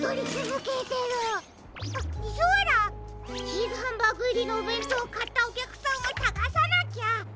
チーズハンバーグいりのおべんとうをかったおきゃくさんをさがさなきゃ！